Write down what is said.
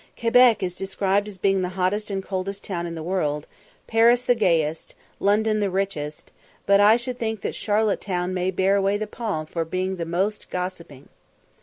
Quebec is described as being the hottest and coldest town in the world, Paris the gayest, London the richest; but I should think that Charlotte Town may bear away the palm for being the most gossiping.